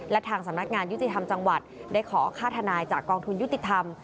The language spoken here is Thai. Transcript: และทางสำนักงานยุติธรรมจังหวัดได้ขอค่าทนายจากกองทุนยุติธรรม